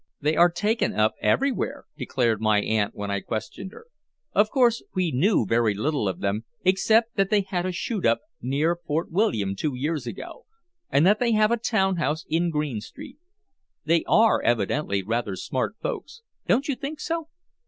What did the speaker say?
"They are taken up everywhere," declared my aunt when I questioned her. "Of course, we knew very little of them, except that they had a shoot up near Fort William two years ago, and that they have a town house in Green Street. They are evidently rather smart folks. Don't you think so?"